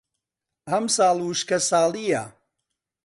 ئەم ساڵ وشکە ساڵییە.